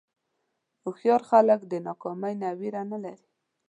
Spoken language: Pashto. هوښیار خلک د ناکامۍ نه وېره نه لري.